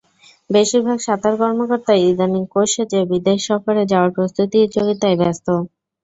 বেশির ভাগ সাঁতার কর্মকর্তাই ইদানীং কোচ সেজে বিদেশ সফরে যাওয়ার প্রতিযোগিতায় ব্যস্ত।